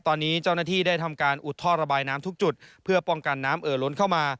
ตอนนี้เจ้าหน้าที่ได้ทำการอุดท่อระบายน้ำทุกจุดเพื่อป้องกันน้ำเอ่อล้นเข้ามา